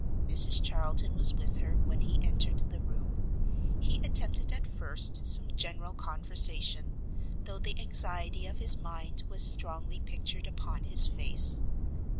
Mrs Charlton was with her when he entered the room; he attempted at first some general conversation, though the anxiety of his mind was strongly pictured upon his face.